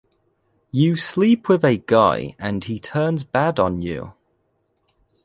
You sleep with a guy and he turns bad on you.